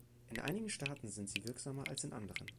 In einigen Staaten sind sie wirksamer als in anderen.